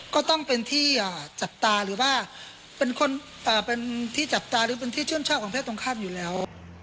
ก็ต้องเป็นที่จับตาหรือว่าเป็นคนเป็นที่จับตาหรือเป็นที่ชื่นชอบของเพศตรงข้ามอยู่แล้ว